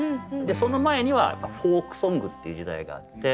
その前にはフォークソングっていう時代があって。